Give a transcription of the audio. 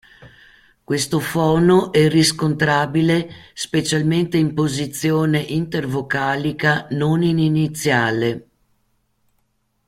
Questo fono è riscontrabile specialmente in posizione intervocalica non in iniziale.